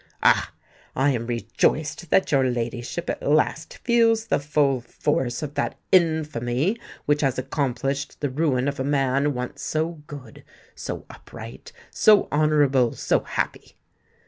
"Ah! I am rejoiced that your ladyship at last feels the full force of that infamy which has accomplished the ruin of a man once so good, so upright, so honourable, so happy!